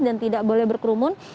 dan tidak boleh berkerumun